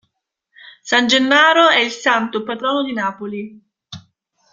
San Gennaro è il santo patrono di Napoli.